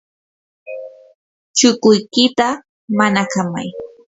chukuykita manakamay.